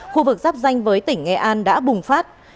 khu vực giáp danh với tỉnh nghệ an đã bùng phát